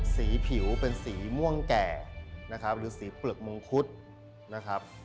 สีผิวเป็นสีม่วงแก่นะครับหรือสีเปลือกมงคุดนะครับ